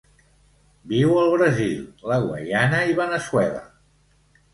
Viu al Brasil, la Guaiana i Veneçuela.